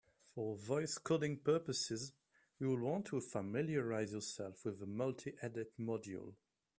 For voice coding purposes, you'll want to familiarize yourself with the multiedit module.